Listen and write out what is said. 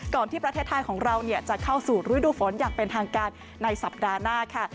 ที่ประเทศไทยของเราจะเข้าสู่ฤดูฝนอย่างเป็นทางการในสัปดาห์หน้าค่ะ